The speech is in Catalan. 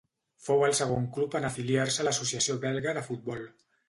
Fou el segon club en afiliar-se a l'Associació Belga de Futbol.